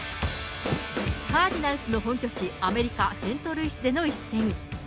カージナルスの本拠地、アメリカ・セントルイスでの一戦。